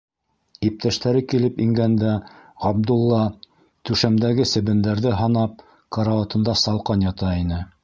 Иптәштәре килеп ингәндә, Ғабдулла, түшәмдәге себендәрҙе һанап, карауатында салҡан ята ине.